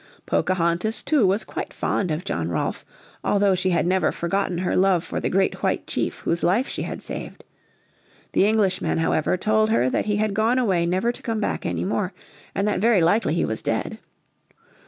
Pocahontas, too, was quite fond of John Rolfe, although she had never forgotten her love for the great White Chief whose life she had saved. The Englishmen, however, told her that he had gone away never to come back any more, and that very likely he was dead.